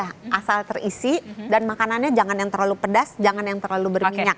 nah asal terisi dan makanannya jangan yang terlalu pedas jangan yang terlalu berminyak